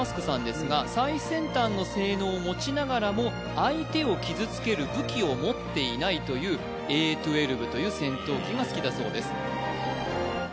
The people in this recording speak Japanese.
さんですが最先端の性能を持ちながらも相手を傷つける武器を持っていないというＡ−１２という戦闘機が好きだそうです